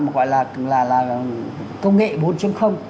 mà gọi là công nghệ bốn